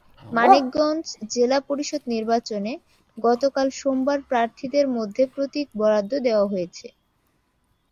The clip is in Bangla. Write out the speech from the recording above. মানিকগঞ্জ জেলা পরিষদ নির্বাচনে গতকাল সোমবার প্রার্থীদের মধ্যে প্রতীক বরাদ্দ দেওয়া হয়েছে।